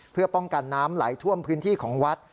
เพื่อป้องกันน้ำไหลท่วมพื้นที่ของวัด